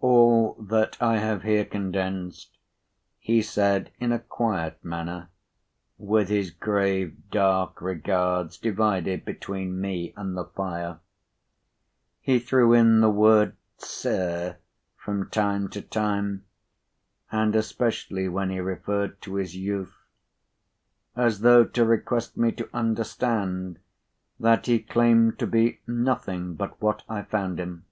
All that I have here condensed, he said in a quiet manner, with his grave dark regards divided between me and the fire. He threw in the word "Sir," from time to time, and especially when he referred to his youth: as though to request me to understand that he claimed to be nothing but what I found him.